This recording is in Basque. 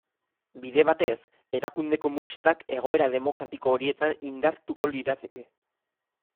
Bide batez, erakunde komunistak egoera demokratiko horietan indartuko lirateke.